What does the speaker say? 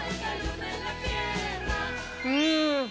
うん！